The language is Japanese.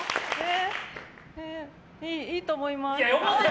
いいと思います。